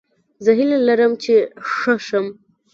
زه هیله لرم چې ښه شم